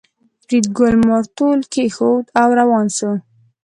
فریدګل مارتول کېښود او روان شو